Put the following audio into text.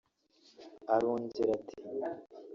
arongera ati